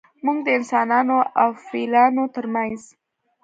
موږ د انسانانو او فیلانو ترمنځ